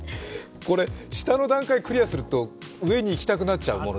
下の段階をクリアすると上に行きたくなってしまうと。